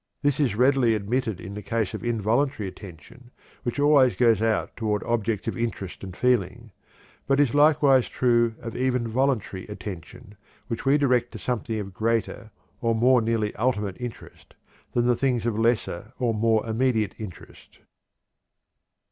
This is readily admitted in the case of involuntary attention, which always goes out toward objects of interest and feeling, but is likewise true of even voluntary attention, which we direct to something of greater or more nearly ultimate interest than the things of lesser or more immediate interest.